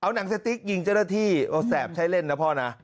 หนังสติ๊กยิงเจ้าหน้าที่แสบใช้เล่นนะพ่อนะ